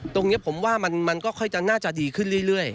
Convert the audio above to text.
ตรงนี้ผมว่ามันก็ค่อยจะน่าจะดีขึ้นเรื่อย